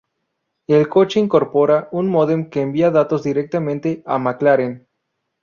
El coche incorpora un módem que envía datos directamente a McLaren.